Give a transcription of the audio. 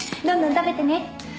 どんどん食べてね。